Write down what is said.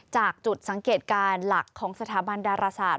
จากจุดสังเกตการณ์หลักของสถาบันดาราศาสต